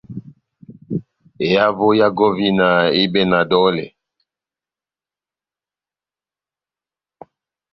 Ehavo ya gɔvina ehibɛwɛ na dɔlɛ.